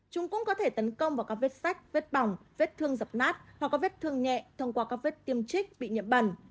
chúng cũng có thể tấn công vào các vết sách vết bỏng vết thương dập nát hoặc có vết thương nhẹ thông qua các vết tiêm trích bị nhiễm bẩn